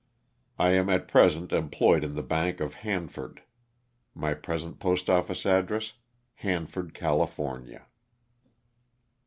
I am at present employed in the bank of Hanford. My present postofQce address, Hanford, California.